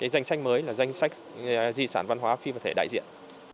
danh sách mới là danh sách di sản văn hóa phi vật thể đại diện